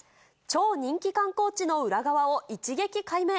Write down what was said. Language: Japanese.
超人気観光地の裏側を一撃解明。